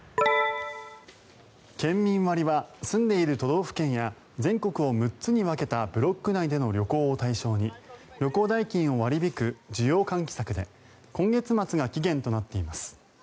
県民割は住んでいる都道府県や全国を６つに分けたブロック内での旅行を対象に旅行代金を割り引く需要喚起策で今月末が期限となっています。